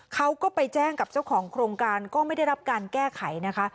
เขาก็ไปแจ้งกับเจ้าของโครงการก็ไม่ได้รับการแก้ไขนะคะ